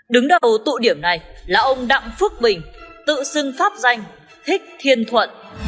đứng đầu tụ điểm này là ông đặng phước bình tự xưng pháp danh thích thiên thuận